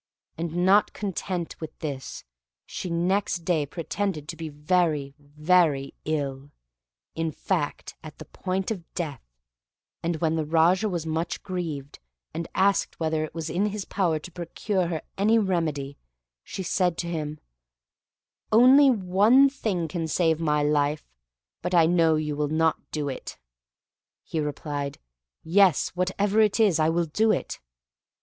And not content with this, she next day pretended to be very, very ill—in fact, at the point of death—and when the Raja was much grieved, and asked her whether it was in his power to procure her any remedy, she said to him: "Only one thing can save my life, but I know you will not do it." He replied, "Yes, whatever it is, I will do it."